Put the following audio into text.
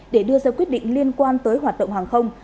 để đưa ra quyết định liên quan tới hoạt động hàng không